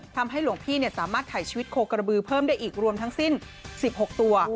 ทำให้หลวงพี่สามารถถ่ายชีวิตโคกระบือเพิ่มได้อีกรวมทั้งสิ้น๑๖ตัว